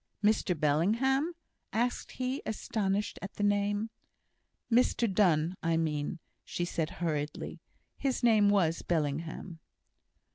"Mr Bellingham?" asked he, astonished at the name. "Mr Donne, I mean," said she, hurriedly. "His name was Bellingham."